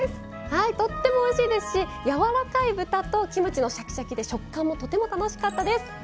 はいとってもおいしいですしやわらかい豚とキムチのシャキシャキで食感もとても楽しかったです。